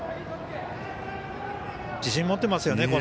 自信を持っていますよね